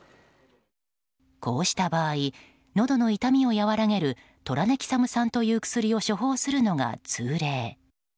こうした場合のどの痛みを和らげるトラネキサム酸という薬を処方するのが通例。